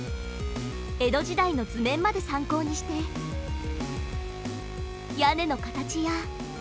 江戸時代の図面まで参考にして屋根の形や。